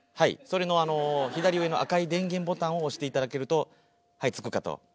それの左上の赤い電源ボタンを押していただけるとはいつくかと。